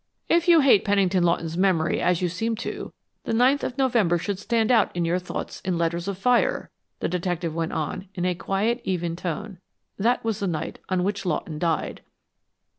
"If you hate Pennington Lawton's memory as you seem to, the ninth of November should stand out in your thoughts in letters of fire," the detective went on, in even, quiet tone. "That was the night on which Lawton died."